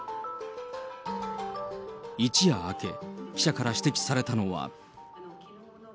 一夜明け、記者から指摘されたのは。